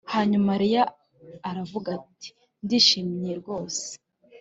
Hanyuma Leya aravuga ati ndishimye rwose